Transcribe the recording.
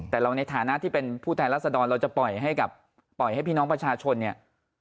แต่เราในฐานะที่เป็นผู้แท้รักษดอนเราจะปล่อยให้พี่น้องประชาชนเนี่ย